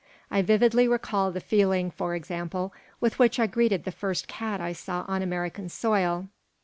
I vividly recall the feeling, for example, with which I greeted the first cat I saw on American soil.